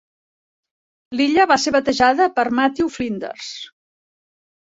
L'illa va ser batejada per Matthew Flinders.